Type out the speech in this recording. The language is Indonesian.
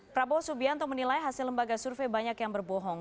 prabowo subianto menilai hasil lembaga survei banyak yang berbohong